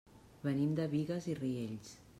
Venim de Bigues i Riells.